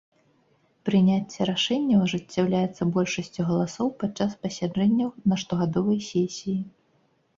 Прыняцце рашэнняў ажыццяўляецца большасцю галасоў падчас пасяджэнняў на штогадовай сесіі.